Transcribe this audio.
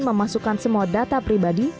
memasukkan semua data pribadi